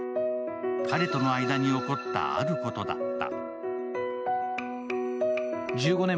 彼との間に起こったあることだった。